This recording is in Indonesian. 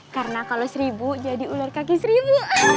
karena kalau seribu jadi ular kaki seribu